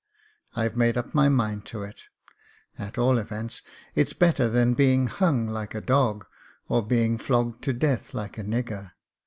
I've made up my mind to it — at all events, it's better than being hung hke a dog, or being flogged to death like a nigger.